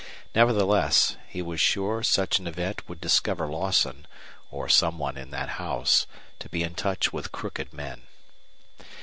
Nevertheless, he was sure such an event would discover Lawson, or some one in that house, to be in touch with crooked men.